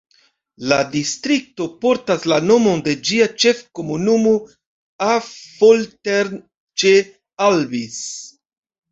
La distrikto portas la nomon de ĝia ĉef-komunumo Affoltern ĉe Albis.